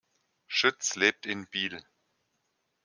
Schütz lebt in Biel.